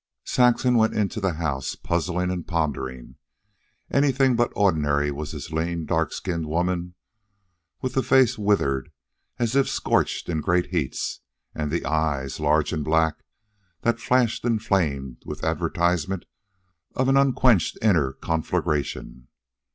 Saxon went into the house puzzling and pondering. Anything but ordinary was this lean, dark skinned woman, with the face withered as if scorched in great heats, and the eyes, large and black, that flashed and flamed with advertisement of an unquenched inner conflagration.